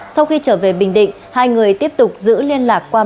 sau khi trở về bình định hai người tiếp tục giữ liên lạc qua mạng